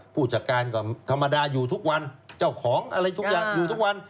ผู้จัดการก็ธรรมดาอยู่ทุกวันเจ้าของอะไรทุกอย่างอยู่ทุกวัน